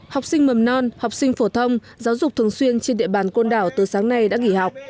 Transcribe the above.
học sinh mầm non học sinh phổ thông giáo dục thường xuyên trên địa bàn côn đảo từ sáng nay đã nghỉ học